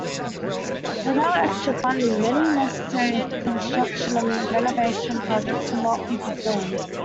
Without extra funding, many necessary construction and renovation projects would not be performed.